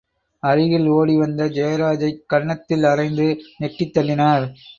அருகில் ஓடி வந்த ஜெயராஜைக் கன்னத்தில் அறைந்து நெட்டித் தள்ளினார்.